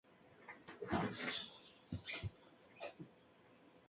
El mecanismo de disparo era de percusión.